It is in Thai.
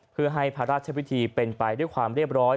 เพื่อให้พระราชพิธีเป็นไปด้วยความเรียบร้อย